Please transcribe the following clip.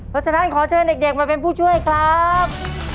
เพราะฉะนั้นขอเชิญเด็กมาเป็นผู้ช่วยครับ